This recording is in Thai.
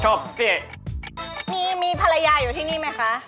มีภรรยาอยู่ที่นี่ไหมคะ